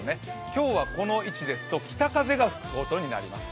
今日はこの位置ですと北風が吹くことになります。